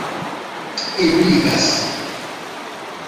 ebligas